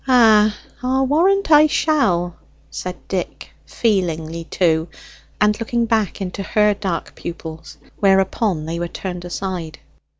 "Ah, I'll warrant I shall," said Dick, feelingly too, and looking back into her dark pupils, whereupon they were turned aside.